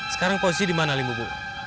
sekarang posisi dimana limbu bu